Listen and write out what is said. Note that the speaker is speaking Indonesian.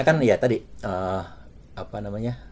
karena kan ya tadi